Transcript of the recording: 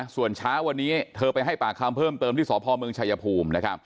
ส่วนเช้าวันนี้เธอไปให้ปากคำเพิ่มเติมที่สพเมืองชายภูมินะครับ